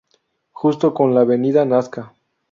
Justo con la Avenida Nazca.